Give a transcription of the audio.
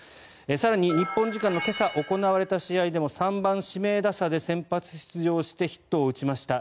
更に日本時間の今朝行われた試合でも３番指名打者で先発出場してヒットを打ちました。